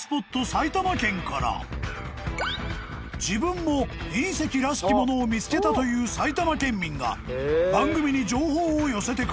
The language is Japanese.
埼玉県から自分も隕石らしきものを見つけたという埼玉県民が番組に情報を寄せてくれた］